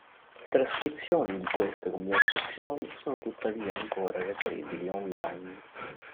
Trascrizioni di queste conversazioni sono tuttavia ancora reperibili on-line.